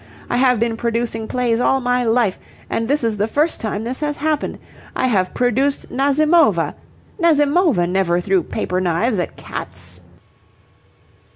I have been producing plays all my life, and this is the first time this has happened. I have produced Nazimova. Nazimova never threw paper knives at cats."